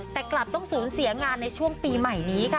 แต่กลับต้องสูญเสียงานในช่วงปีใหม่นี้ค่ะ